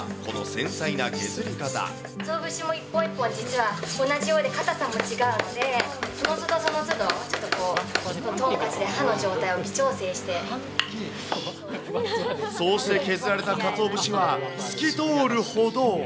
かつお節も一本一本、実は同じようでかたさも違うので、そのつどそのつど、ちょっとこう、そうして削られたかつお節は、透き通るほど。